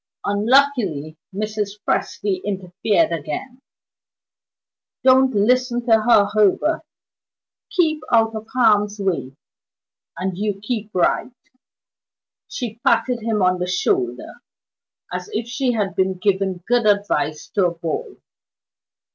Unlucky Mrs. Presty interfered again. "Don't listen to her, Herbert. Keep out of harm's way, and you keep right." She patted him on the shoulder, as if she had been giving good advice to a boy.